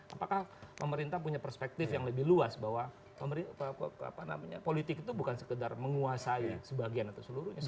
apakah pemerintah punya perspektif yang lebih luas bahwa politik itu bukan sekedar menguasai sebagian atau seluruhnya